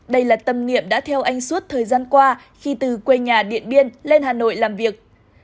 đây là tâm niệm đã theo anh suốt thời gian qua khi từ quê nhà điện biên lên hà nội làm việc